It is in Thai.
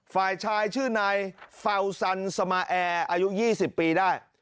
ฝ่ายชายชื่อนายเฟาซันสมาแอร์อายุ๒๐ปีได้